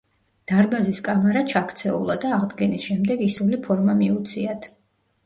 დარბაზის კამარა ჩაქცეულა და აღდგენის შემდეგ ისრული ფორმა მიუციათ.